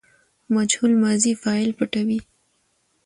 مجهول ماضي فاعل پټوي.